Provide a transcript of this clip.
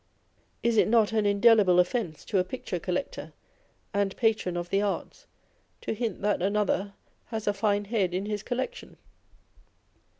Is it not an indelible offence to a picture collector and patron of the arts, to hint that another has a fine head in his collection